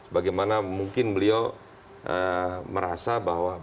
bagaimana mungkin beliau merasa bahwa